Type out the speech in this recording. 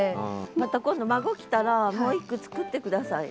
また今度孫来たらもう一句作って下さい。